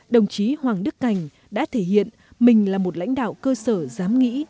đồng chí hoàng đức cảnh đã thể hiện mình là một lãnh đạo cơ sở giám nghĩ